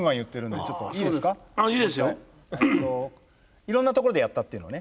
いろんなところでやったっていうのはね